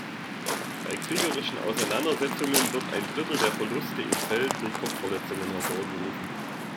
Bei kriegerischen Auseinandersetzungen wird ein Drittel der Verluste im Feld durch Kopfverletzungen hervorgerufen.